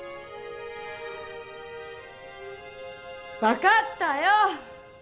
わかったよ！